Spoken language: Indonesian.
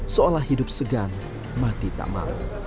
seolah hidup segan mati tak mal